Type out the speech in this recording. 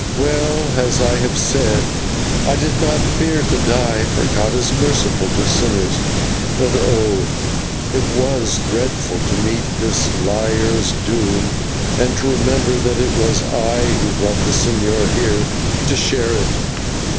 Well, as I have said, I did not fear to die, for God is merciful to sinners; but oh! it was dreadful to meet this liar's doom, and to remember that it was I who brought the señor here to share it.